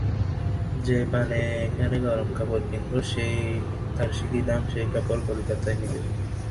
যে দামে এখানে গরম কাপড় কিনব, তার সিকি দামে সেই কাপড় কলিকাতায় মিলবে।